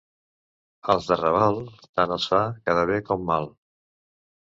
Als de Raval, tant els fa quedar bé com mal.